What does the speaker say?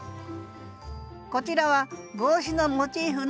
こちらは帽子のモチーフの配置。